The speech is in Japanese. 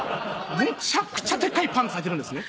むちゃくちゃでかいパンツはいてるんですね